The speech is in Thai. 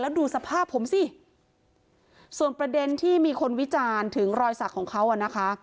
ดูสภาพผมสิส่วนประเด็นที่มีคนวิจารณ์ถึงรอยสักของเขาอ่ะนะคะ